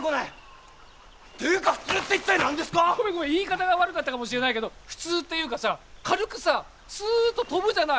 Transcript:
言い方が悪かったかもしれないけど普通っていうかさ軽くさすっと飛ぶじゃない？